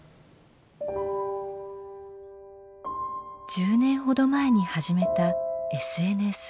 １０年ほど前に始めたＳＮＳ。